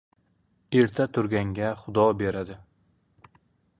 • Erta turganga Xudo beradi.